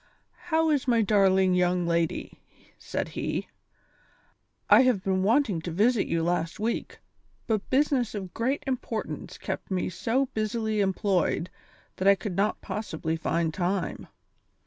"How is my darling young lady?" said he. "I have been wanting to visit you last week, but business of great importance kept me so busily employed that I could not possibly find time.